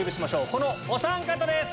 このおさん方です。